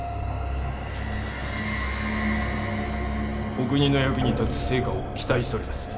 お国の役に立つ成果を期待しております。